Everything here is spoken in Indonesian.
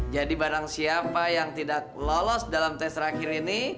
jadi barang siapa yang tidak lolos dalam tes terakhir ini